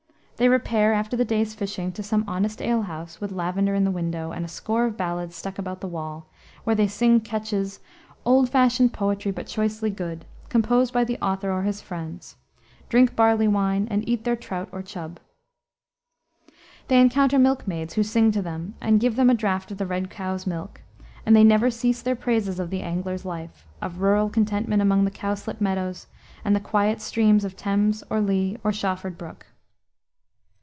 They repair, after the day's fishing, to some honest ale house, with lavender in the window, and a score of ballads stuck about the wall, where they sing catches "old fashioned poetry but choicely good" composed by the author or his friends, drink barley wine, and eat their trout or chub. They encounter milkmaids, who sing to them and give them a draft of the red cow's milk, and they never cease their praises of the angler's life, of rural contentment among the cowslip meadows, and the quiet streams of Thames, or Lea, or Shawford Brook.